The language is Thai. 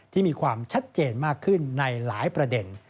มีความชัดเจนมากขึ้นในหลายประเด็น